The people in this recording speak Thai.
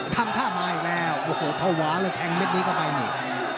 ทำท่ามาอีกแล้วโอ้โหภาวะเลยแทงเม็ดนี้เข้าไปนี่